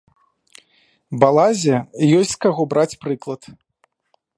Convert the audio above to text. Балазе, ёсць з каго браць прыклад.